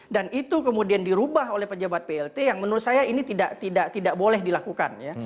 dan itu kemudian dirubah oleh pejabat plt yang menurut saya ini tidak boleh dilakukan